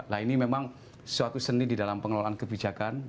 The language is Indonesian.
nah ini memang suatu seni di dalam pengelolaan kebijakan